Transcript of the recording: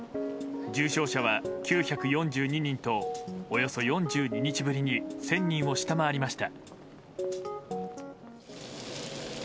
重症者は９４２人とおよそ４２日ぶりに１０００人を下回りました。